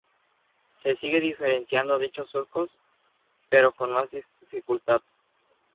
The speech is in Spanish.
Se sigue diferenciando dichos surcos, pero con más dificultad.